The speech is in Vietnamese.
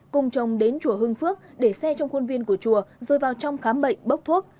cùng chồng đến chùa hương phước để xe trong khuôn viên của chùa rồi vào trong khám bệnh bốc thuốc